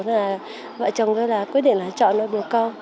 thế là vợ chồng tôi là quyết định là chọn nuôi bồ câu